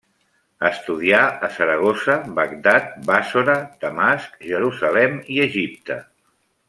Estudià a Saragossa, Bagdad, Bàssora, Damasc, Jerusalem i Egipte.